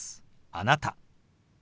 「あなた」。